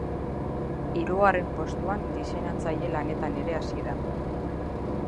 Hirugarren postuan diseinatzaile lanetan ere hasi da.